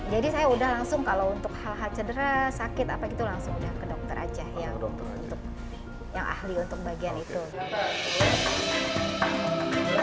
jadi saya udah langsung kalau untuk hal hal cedera sakit apa gitu langsung udah ke dokter aja